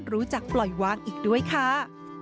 รู้จักปล่อยวางอีกด้วยค่ะ